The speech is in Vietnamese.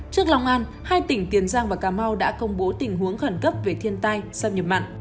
trước long an hai tỉnh tiền giang và cà mau đã công bố tình huống khẩn cấp về thiên tai xâm nhập mặn